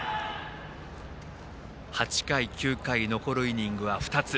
８回、９回、残るイニングは２つ。